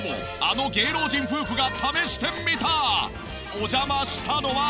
お邪魔したのは。